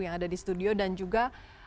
yang ada di studio dan juga